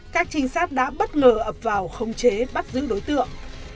các trinh sát đã bất ngờ ập vào khống chế bắt giữ đối tượng